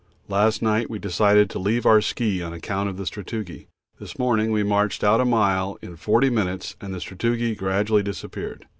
Last night we decided to leave our ski on account of the sastrugi. This morning we marched out a mile in 40 min. and the sastrugi gradually disappeared.